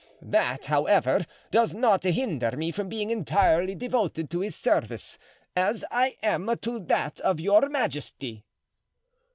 That, however, does not hinder me from being entirely devoted to his service, as I am to that of your majesty."